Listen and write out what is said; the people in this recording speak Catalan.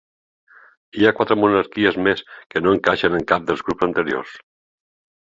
Hi ha quatre monarquies més que no encaixen en cap dels grups anteriors.